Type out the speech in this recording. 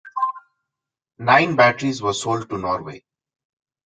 Nine batteries were sold to Norway.